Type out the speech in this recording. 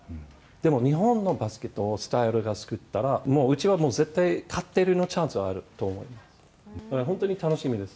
でも日本のバスケットのスタイルが作ったら、もううちはもう、絶対勝てるチャンスはあると思ってる。